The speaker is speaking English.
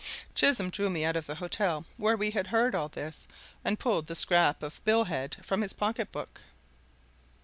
Chisholm drew me out of the hotel where we had heard all this and pulled the scrap of bill head from his pocket book.